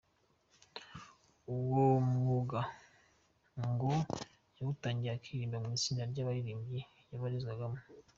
Uwo mwuga ngo yawutangiye akiririmba mu itsinda ry’abaririmbyi yabarizwagamo.